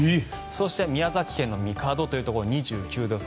そして、宮崎県の神門いうところは２９度予想。